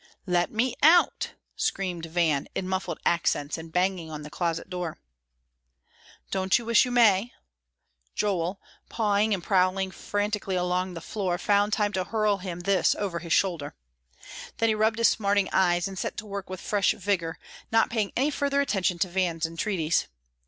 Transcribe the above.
"Let me out!" screamed Van, in muffled accents, and banging on the closet door. "Don't you wish you may?" Joel, pawing and prowling frantically along the floor, found time to hurl him this over his shoulder. Then he rubbed his smarting eyes and set to work with fresh vigor, not paying any further attention to Van's entreaties.